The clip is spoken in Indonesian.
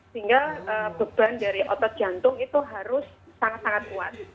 sehingga beban dari otot jantung itu harus sangat sangat kuat